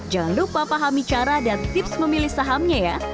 jangan lupa pahami cara dan tips memilih sahamnya ya